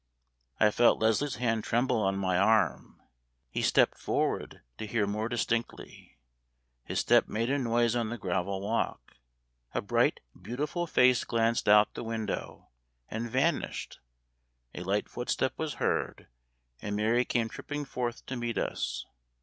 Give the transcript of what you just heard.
I felt Leslie's hand tremble on my arm. He stepped forward, to hear more distinctly. His step made a noise on the gravel walk. A bright beautiful face glanced out at the window, and vanished a light footstep was heard and Mary came tripping forth to meet us.